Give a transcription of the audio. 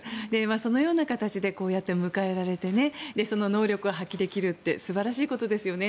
そのような形でこうやって迎え入れられてその能力を発揮できるって素晴らしいことですよね。